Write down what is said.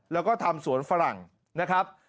แล้วก็ทำสวนฝรั่งนะครับ